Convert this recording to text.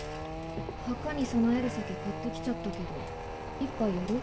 墓に供える酒買ってきちゃったけど一杯やる？